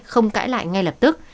không cãi lại ngay lập tức